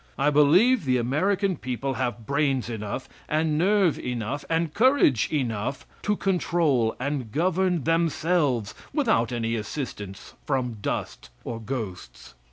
I believe the American people have brains enough, and nerve enough, and courage enough, to control and govern themselves, without any assistance from dust or ghosts.